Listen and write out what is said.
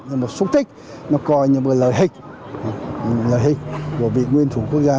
nó có một súc tích nó coi như một lời hịch của vị nguyên thủ quốc gia